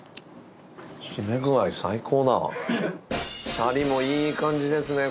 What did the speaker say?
しゃりもいい感じですね。